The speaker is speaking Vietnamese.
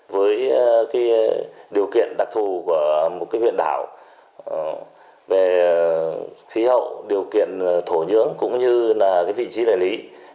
với điều kiện đặc thù của một huyện đảo về khí hậu điều kiện thổ nhưỡng cũng như là vị trí địa lý